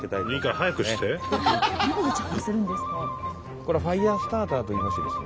これはファイヤースターターといいましてですね。